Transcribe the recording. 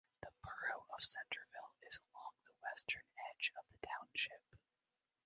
The borough of Centerville is along the western edge of the township.